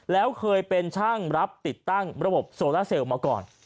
แล้วเคยเป็นช่างรับติดตั้งระบบโซล่าเซลลมาก่อน